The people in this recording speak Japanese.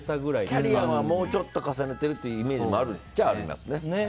キャリアをもうちょっと重ねてるというイメージもあるっちゃありますね。